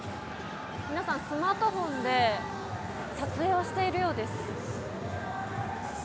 皆さん、スマートフォンで撮影をしているようです。